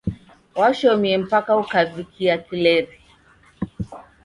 Washomie mpaka ukavikia kileri.